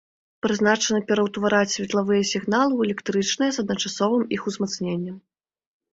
Прызначаны пераўтвараць светлавыя сігналы ў электрычныя з адначасовым іх узмацненнем.